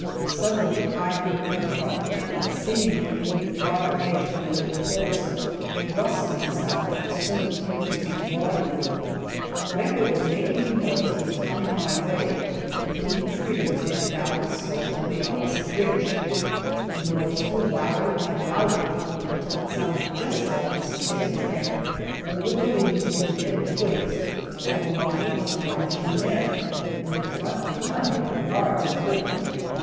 Suddenly I heard in front, and seemingly in the farther edge of the oak forest, a rustling sound that soon increased in volume. Whatever was making the noise was coming my way, through the trees, and down the slope of the opposite ridge. The noise grew louder, and louder, until it sounded just like the steady tramp, over the leaves and dead twigs, of a line of marching men, with a front a hundred yards in width.